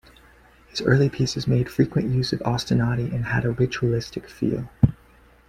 His early pieces made frequent use of ostinati and often had a ritualistic feel.